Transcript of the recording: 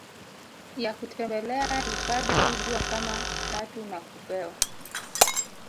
ya kutembelea hifadhi kubwa kama tatu nakupewa